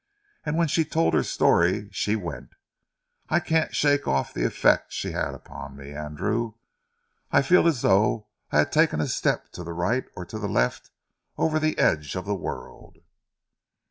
And when she told her story, she went. I can't shake off the effect she had upon me, Andrew. I feel as though I had taken a step to the right or to the left over the edge of the world."